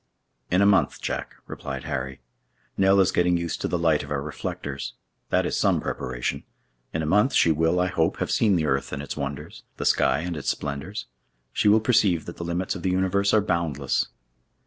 "In a month, Jack," replied Harry. "Nell is getting used to the light of our reflectors. That is some preparation. In a month she will, I hope, have seen the earth and its wonders—the sky and its splendors. She will perceive that the limits of the universe are boundless."